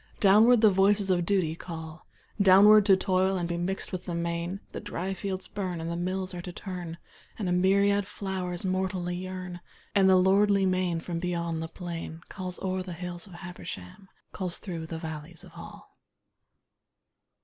Downward the voices of Duty call Downward, to toil and be mixed with the main, The dry fields burn, and the mills are to turn, And a myriad flowers mortally yearn, And the lordly main from beyond the plain Calls o'er the hills of Habersham, Calls through the valleys of Hall.